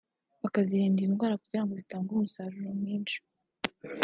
bakanazirinda indwara kugira ngo zitange umusaruro mwinshi